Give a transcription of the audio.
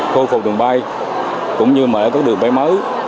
khôi phục đường bay cũng như mở các đường bay mới